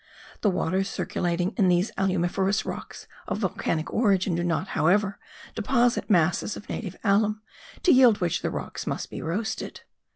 The waters circulating in these alumiferous rocks of volcanic origin do not, however, deposit masses of native alum, to yield which the rocks must be roasted.